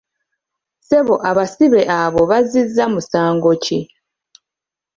Ssebo abasibe abo bazzizza musango ki?